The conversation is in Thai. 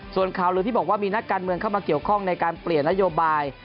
ส่วนข่าวลือที่บอกว่ามีนักการเมืองเข้ามาเกี่ยวข้องในการเปลี่ยนนโยบาย